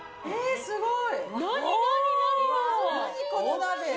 すごい。